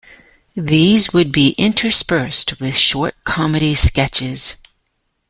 These would be interspersed with short comedy sketches.